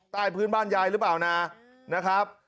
ใต้พื้นบ้านยายหรือเปล่านะนะครับ